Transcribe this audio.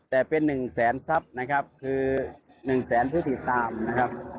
แต่เป็น๑แสนทรัพย์นะครับคือ๑แสนผู้ติดตามนะครับ